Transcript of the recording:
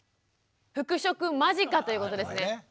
復職間近ということですね。